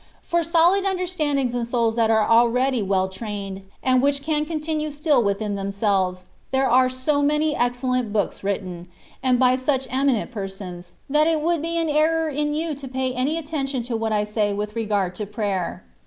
For solid understandings and souls that are already well trained, and which can con tinue still within themselves, there are so many excellent books written, and by such eminent per sons, that it would be an error in you to pay any attention to what I say with regard to prayer.